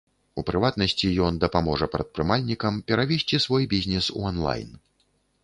У прыватнасці, ён дапаможа прадпрымальнікам перавесці свой бізнес у онлайн.